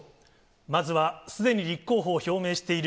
まずはすでに立候補を表明している